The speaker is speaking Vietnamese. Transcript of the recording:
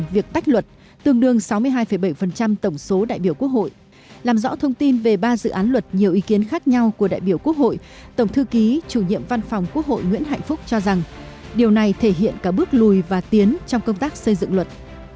về ba dự án luật nhiều ý kiến khác nhau của đại biểu quốc hội tổng thư ký chủ nhiệm văn phòng quốc hội nguyễn hạnh phúc cho rằng điều này thể hiện cả bước lùi và tiến trong công tác xây dựng luật